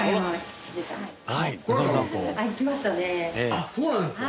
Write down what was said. あっそうなんですか。